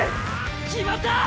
決まった！